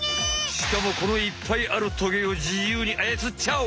しかもこのいっぱいあるトゲを自由にあやつっちゃう！